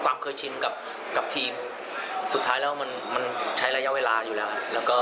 ความเคยชินกับทีมสุดท้ายแล้วมันใช้ระยะเวลาอยู่แล้ว